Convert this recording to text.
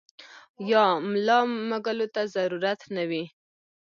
يا ملا مږلو ته ضرورت نۀ وي -